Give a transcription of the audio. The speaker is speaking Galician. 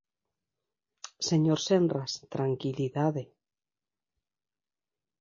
Señor Senras, tranquilidade.